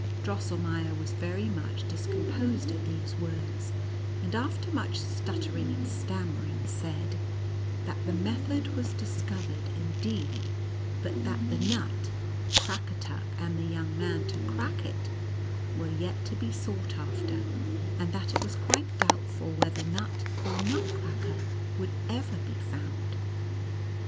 Drosselmeier was very much discom posed at these words ; and, after much stuttering and stammering, said, that the method was dis covered, indeed, but that the nut Crackatuck and the young man to crack it were yet to be sought after, and that it was quite doubtful whether nut or nutcracker would ever be found.